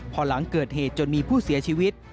พอหลังเกิดเหตุจนมีผู้เสียชีวิต